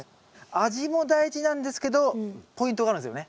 味も大事なんですけどポイントがあるんですよね？